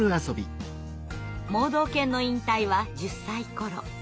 盲導犬の引退は１０歳ごろ。